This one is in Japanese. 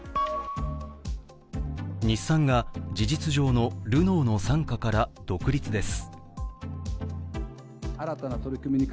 日産が事実上のルノーの傘下から独立です。